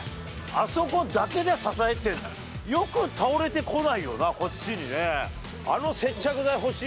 あそこだけで支えてる、よく倒れてこないよな、こっちにね。